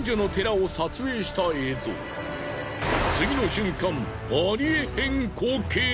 次の瞬間。